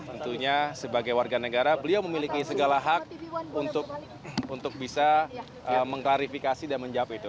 tentunya sebagai warga negara beliau memiliki segala hak untuk bisa mengklarifikasi dan menjawab itu